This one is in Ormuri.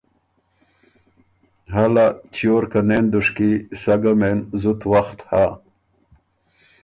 هلا چیور که نېن دُشکی، سۀ ګه مېن زُت وخت هۀ،